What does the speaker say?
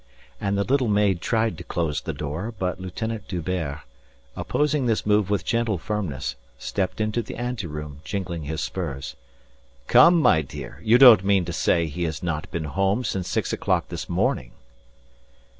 And the little maid tried to close the door, but Lieutenant D'Hubert, opposing this move with gentle firmness, stepped into the anteroom jingling his spurs. "Come, my dear. You don't mean to say he has not been home since six o'clock this morning?"